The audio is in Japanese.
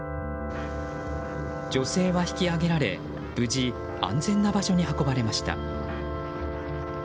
女性は引き上げられ、無事安全な場所に運ばれました。